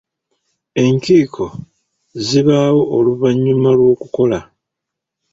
Enkiiko zibaawo oluvannyuma lw'okukola.